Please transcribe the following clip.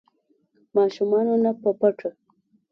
ماشومانو نه په پټه